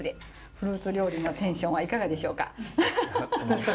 フルーツ料理のテンションはいかがでしょうか？